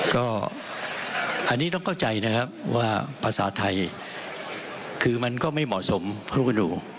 ก็อันนี้ต้องเข้าใจนะครับว่าภาษาไทยคือมันก็ไม่เหมาะสมครูกระดูก